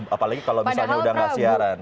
apalagi kalau misalnya udah gak siaran